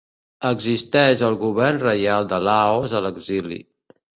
Existeix el Govern Reial de Laos a l'Exili.